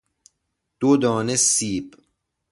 دو دانه سیب